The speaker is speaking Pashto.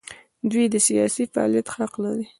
دوی د سیاسي فعالیت حق لري.